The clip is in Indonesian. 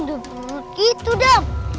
gak begitu adam